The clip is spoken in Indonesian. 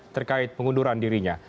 terkait pengunduran dirinya